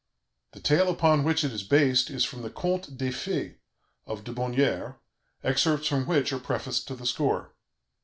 The tale upon which it is based is from the Contes des Fées of de Bonnière, excerpts from which are prefaced to the score.